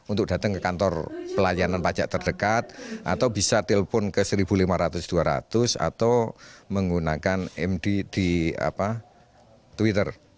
untuk datang ke kantor pelayanan pajak terdekat atau bisa telepon ke satu lima ratus dua ratus atau menggunakan md di twitter